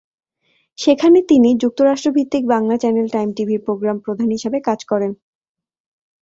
সেখানে তিনি যুক্তরাষ্ট্র-ভিত্তিক বাংলা চ্যানেল টাইম টিভির প্রোগ্রাম প্রধান হিসেবে কাজ করেন।